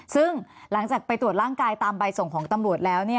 ซึ่งหลังจากไปตรวจร่างกายตามใบส่งของตำรวจแล้ว